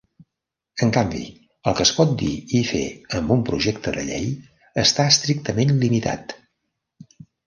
En canvi, el que es pot dir i fer amb un projecte de llei està estrictament limitat.